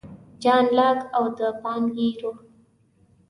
جان لاک او د پانګې روح